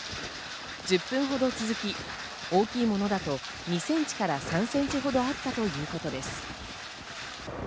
１０分ほど続き、大きいものだと２センチから３センチほどあったということです。